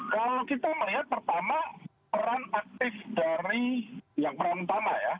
kalau kita melihat pertama peran aktif dari yang peran utama ya